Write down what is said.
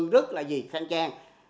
rất là khăn trang